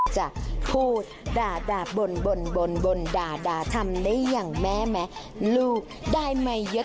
จะพูดด่าด่าบ่นบ่นบ่นด่าด่าทำได้อย่างแมมาลูได้มาเยอะ